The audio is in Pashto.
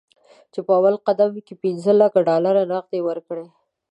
چې په اول قدم کې پنځه لکه ډالر نغد ورکړي.